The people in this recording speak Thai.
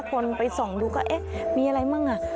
คนไปส่องดูก็เอ๊ะมีอะไรมั่งอ่ะ